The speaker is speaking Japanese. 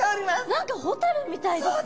何かホタルみたいですね。